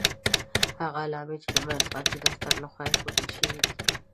هغه علامې دي چې د ماین پاکۍ د دفتر لخوا ايښودل شوې دي.